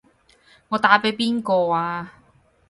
我打畀邊個啊？